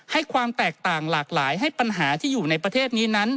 ให้ความแตกต่างหลากหลายให้ปัญหาที่อยู่ในประเทศนี้นั้น